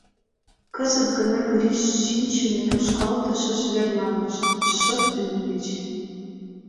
Кызыт гына Гриш шинчыме тошкалтышыш верланышт, шып лийыч.